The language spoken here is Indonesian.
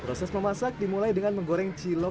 proses memasak dimulai dengan menggoreng cilok dan tulang ayam